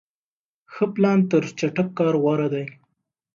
ښه پلان تر چټک کار غوره دی.